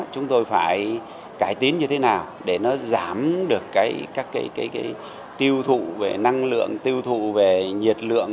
chúng tôi phải cải tiến như thế nào để nó giảm được các tiêu thụ về năng lượng tiêu thụ về nhiệt lượng